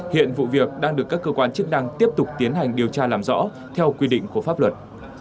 hiện vụ việc đang được các cơ quan chức năng tiếp tục tiến hành điều tra làm rõ theo quy định của pháp luật